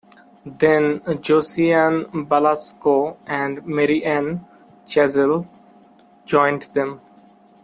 Then Josiane Balasko and Marie-Anne Chazel joined them.